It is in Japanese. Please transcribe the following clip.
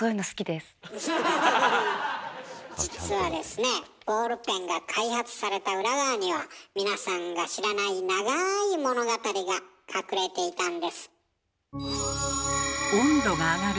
実はですねボールペンが開発された裏側には皆さんが知らない長い物語が隠れていたんです。